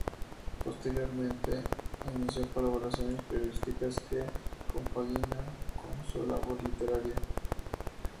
Posteriormente inició colaboraciones periodísticas que compagina con su labor literaria.